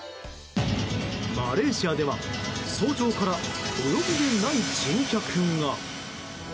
マレーシアでは早朝からお呼びでない珍客が。